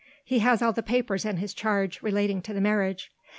He has all the papers in his charge relating to the marriage.